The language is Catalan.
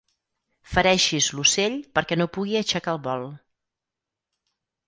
Fereixis l'ocell perquè no pugui aixecar el vol.